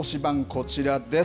こちらです。